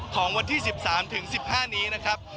ของวันที่๑๓ถึง๑๕นี้นะครับ